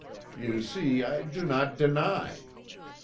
You see, I do not deny.